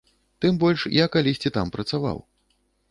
Тым больш я калісьці там працаваў.